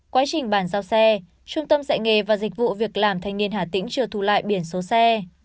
quá trình bán giao xe trung tâm dạy nghề và dịch vụ việc làm thanh niên hà tĩnh trừ thù lại biển số xe